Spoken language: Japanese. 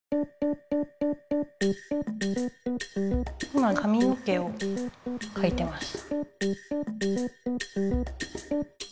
今かみの毛をかいてます。